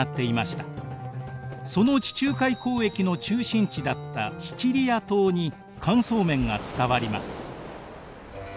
その地中海交易の中心地だったシチリア島に乾燥麺が伝わります。